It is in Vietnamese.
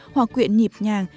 hòa quyện nhịp nhàng